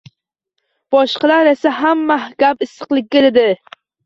Boshqalar esa hamma gap issiqlikda dedi.